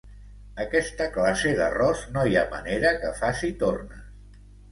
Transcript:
Aquesta classe d'arròs no hi ha manera que faci tornes.